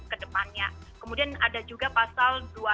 kedepannya kemudian ada juga pasal